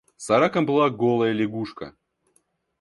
За раком плыла голая лягушка.